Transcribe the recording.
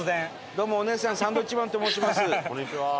どうもお姉さんサンドウィッチマンと申します。